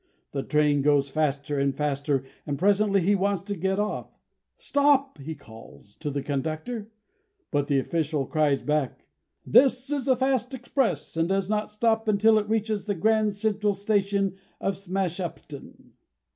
The train goes faster and faster, and presently he wants to get off. 'Stop'! he calls to the conductor; but that official cries back: 'This is the fast express and does not stop until it reaches the Grand Central Station of Smashupton.'"